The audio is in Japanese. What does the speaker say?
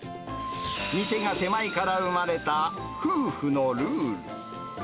店が狭いから生まれた、夫婦のルール。